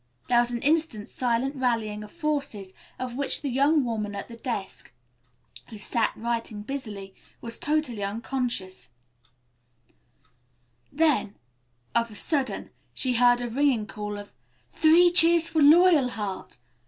There was an instant's silent rallying of forces of which the young woman at the desk, who sat writing busily, was totally unconscious, then, of a sudden, she heard a ringing call of "Three cheers for Loyalheart!"